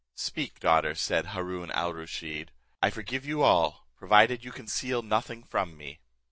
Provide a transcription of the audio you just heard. "Speak, daughter," said Haroon al Rusheed, "I forgive you all, provided you conceal nothing from me."